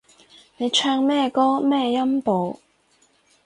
你唱咩歌咩音部